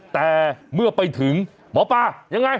แต่เมื่อไปถึงหมอปลายังไง